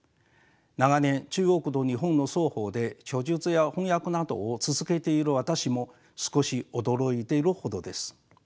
長年中国と日本の双方で著述や翻訳などを続けている私も少し驚いているほどです。